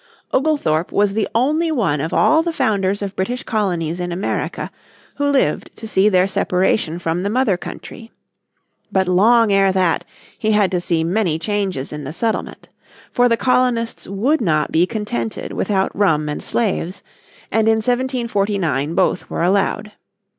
Oglethorpe was the only one of all the founders of British colonies in America who lived to see their separation from the mother country. But long ere that he had to see many changes in the settlement. For the colonists would not be contented without rum and slaves, and in 1749 both were allowed.